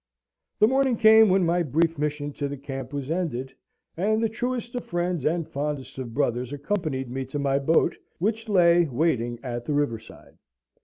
The morning came when my brief mission to the camp was ended, and the truest of friends and fondest of brothers accompanied me to my boat, which lay waiting at the riverside.